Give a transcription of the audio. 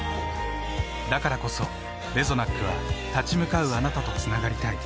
だからこそレゾナックは立ち向かうあなたとつながりたい。